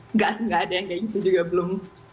enggak sih nggak ada yang kayak begitu juga belum